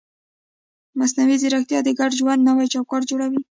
مصنوعي ځیرکتیا د ګډ ژوند نوی چوکاټ جوړوي.